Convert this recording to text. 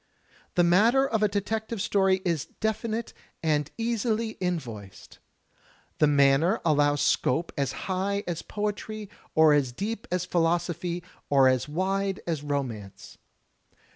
The matter of a detective story is definite and easily invoiced; the manner allows scope as high as poetry or as deep as philosophy or as wide as romance.